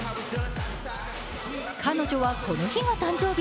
彼女は、この日が誕生日。